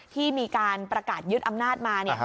ที่มีการประกาศยึดอำนาจมา